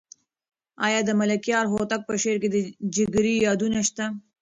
آیا د ملکیار هوتک په شعر کې د جګړې یادونه شته؟